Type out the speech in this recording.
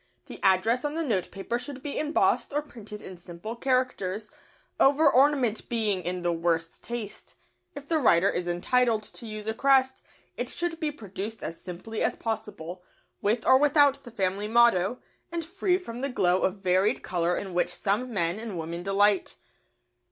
The address on the notepaper should be embossed or printed in simple characters, over ornament being in the worst taste. If the writer is entitled to use a crest, it should be produced as simply as possible, with or without the family motto, and free from the glow of varied colour in which some men and women delight.